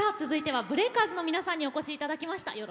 続いてＢＲＥＡＫＥＲＺの皆さんにお越しいただきました。